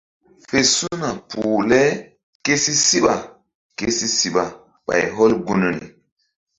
WF su̧na poh le ké si síɓa si siɓa ɓay hɔl gunri.